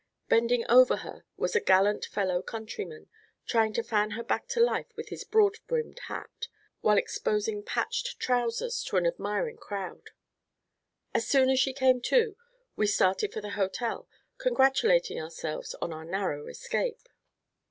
Bending over her was a gallant fellow countryman trying to fan her back to life with his broad brimmed hat, while exposing patched trousers to an admiring crowd. As soon as she came to, we started for the hotel, congratulating ourselves on our narrow escape.